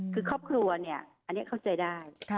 คือครอบครัวเนี่ยอันนี้เข้าใจได้